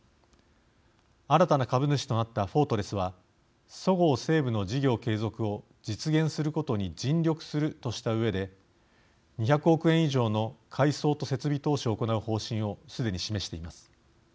新たな株主となったフォートレスはそごう・西武の事業継続を実現することに尽力するとしたうえで２００億円以上の改装と設備投資を行う方針をすでに示しています。